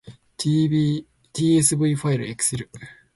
tsv ファイルエクセル